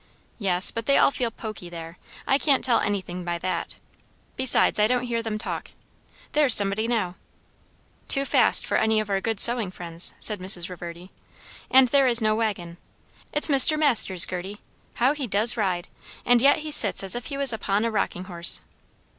"Yes, but they all feel poky there. I can't tell anything by that. Besides, I don't hear them talk. There's somebody now!" "Too fast for any of our good sewing friends," said Mrs. Reverdy; "and there is no waggon. It's Mr. Masters, Gerty! How he does ride; and yet he sits as if he was upon a rocking horse."